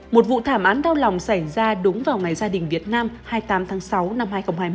một vụ thảm án đau lòng xảy ra đúng vào ngày gia đình việt nam hai mươi tám tháng sáu năm hai nghìn hai mươi một